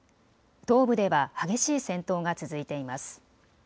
東部では激しい戦闘が続いています。